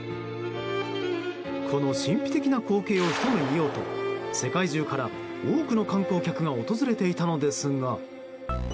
この神秘的な光景をひと目見ようと世界中から多くの観光客が訪れていたのですが。